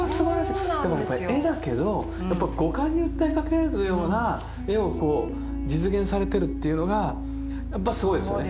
でもこれ絵だけど五感に訴えかけるような絵を実現されてるっていうのがやっぱすごいですよね。